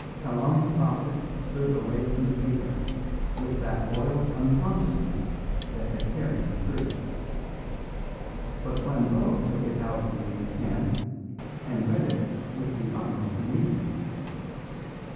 Kalon the prophet stood away from the paper with that loyal unconsciousness that had carried him through. But Flambeau took it out of the lady's hand, and read it with the utmost amazement.